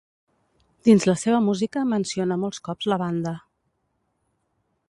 Dins la seva música menciona molts cops la banda.